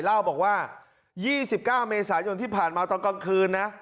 เล่าบอกว่ายี่สิบเก้าเมษายนที่ผ่านมาตอนกลางคืนนะ